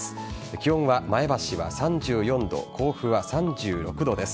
気温は前橋は３４度甲府は３６度です。